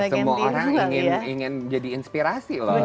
semua orang ingin jadi inspirasi loh sesuatu ini